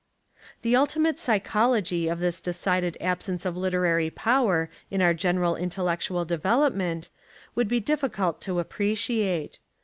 The ultimate psychology of this decided ab sence of literary power in our general intellec tual development would be difficult to appre ciate.